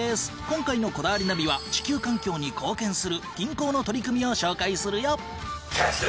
今回の『こだわりナビ』は地球環境に貢献する銀行の取り組みを紹介するよ。